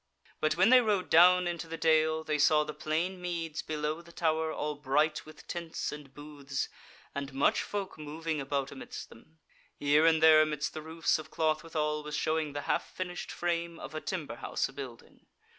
But when they rode down into the dale, they saw the plain meads below the Tower all bright with tents and booths, and much folk moving about amidst them; here and there amidst the roofs of cloth withal was showing the half finished frame of a timber house a building.